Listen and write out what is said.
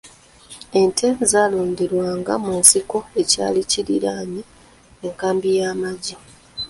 Ente zaalundirwanga mu kisiko ekyali kiriraanye enkambi y'amagye.